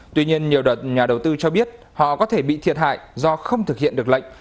tuy nhiên nhiều nhà đầu tư cho biết họ có thể bị thiệt hại do không thực hiện giao dịch